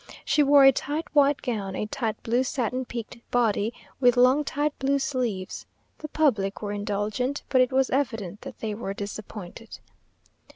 She wore a tight white gown, a tight blue satin peaked body, with long tight blue sleeves. The public were indulgent, but it was evident that they were disappointed.